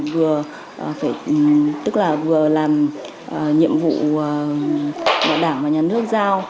vừa phải tức là vừa làm nhiệm vụ đảng và nhà nước giao